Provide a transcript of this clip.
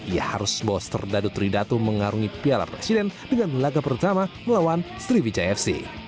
ia harus boster dadu tridatu mengarungi piala presiden dengan laga pertama melawan sriwijaya fc